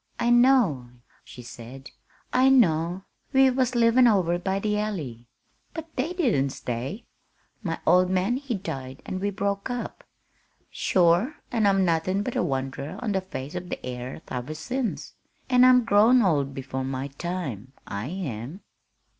"I know," she said, "I know. We was livin' over by the Alley. But they didn't stay. My old man he died an' we broke up. Sure, an' I'm nothin' but a wanderer on the face of the airth iver since, an' I'm grown old before my time, I am."